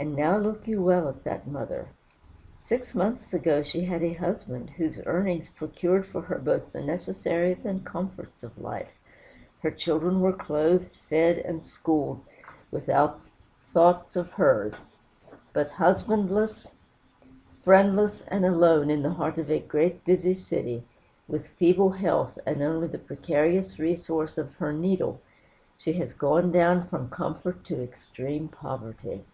And now look you well at that mother. Six months ago she had a husband, whose earnings procured for her both the necessaries and comforts of life; her children were clothed, fed, and schooled, without thoughts of hers. But husbandless, friendless, and alone in the heart of a great, busy city, with feeble health, and only the precarious resource of her needle, she has gone down from comfort to extreme poverty.